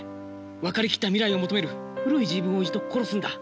分かりきった未来を求める古い自分を一度殺すんだ。